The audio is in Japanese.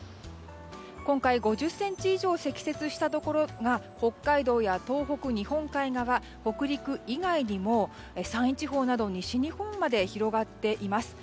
今回５０ｃｍ以上積雪したところが北海道や東北、日本海側北陸以外にも山陰地方など西日本にも広がっています。